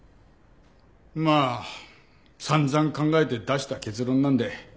まあ散々考えて出した結論なんで。